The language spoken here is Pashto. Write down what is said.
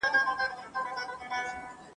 او د هغه پرتم کي ليکلي دي